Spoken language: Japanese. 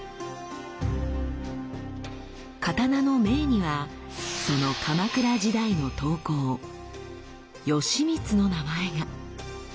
刀の銘にはその鎌倉時代の刀工「吉光」の名前が！